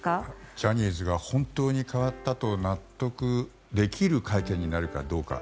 ジャニーズが本当に変わったと納得できる会見になるかどうか。